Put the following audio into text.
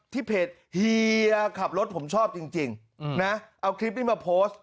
เพจเฮียขับรถผมชอบจริงนะเอาคลิปนี้มาโพสต์